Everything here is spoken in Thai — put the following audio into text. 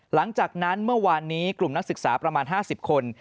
หลังจากนั้นเมื่อวานนี้กลุ่มนักศึกษาประมาณ๕๐คน